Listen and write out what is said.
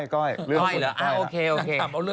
ก้อยสิโอเค